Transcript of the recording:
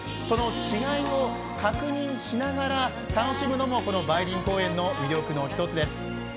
その違いを確認しながら楽しむのも、この梅林公園の魅力の１つです。